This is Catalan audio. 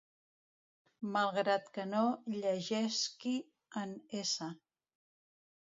Malgrat que no llegesqui, en s